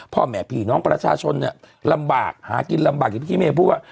พ่อแม่พี่น้องประชาชนเนี่ยลำบากหากินลำบากอย่างที่พี่เมย์พูดว่า